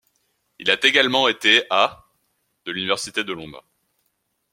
Il a également été à l' de l'université de Londres.